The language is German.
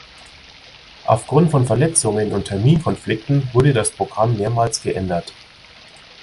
Aufgrund von Verletzungen und Terminkonflikten wurde das Programm mehrmals geändert.